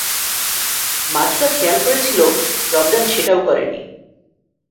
মাছুদা খেয়াল করেছিল রমজান সেটাও করেনি।